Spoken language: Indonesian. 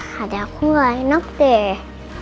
hati aku gak enak deh